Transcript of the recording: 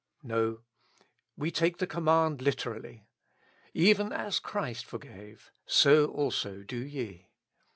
No, we take the command Hterally, "■ Even as Christ forgave, so also do ye."